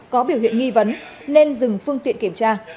có biểu hiện nghi vấn nên dừng phương tiện kiểm tra